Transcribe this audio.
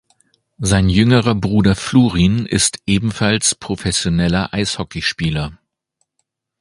Sein jüngerer Bruder Flurin ist ebenfalls professioneller Eishockeyspieler.